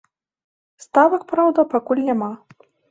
Ставак, праўда, пакуль няма.